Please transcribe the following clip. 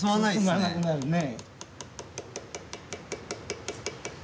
進まなくなるね。